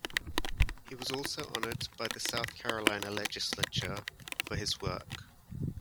He was also honored by the South Carolina Legislature for his work.